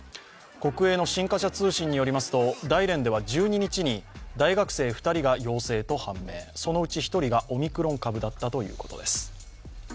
国営の新華社通信によりますと、大連では１２日に大学生２人が陽性と判明、そのうち１人がオミクロン株だったということです。